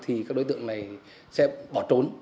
thì các đối tượng này sẽ bỏ trốn